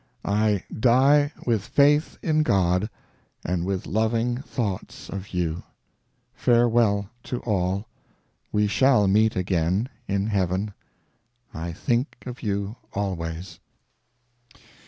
I die with faith in God, and with loving thoughts of you. Farewell to all. We shall meet again, in Heaven. ... I think of you always.